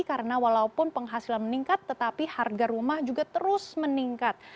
karena walaupun penghasilan meningkat tetapi harga rumah juga terus meningkat